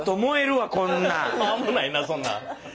危ないなそんなん。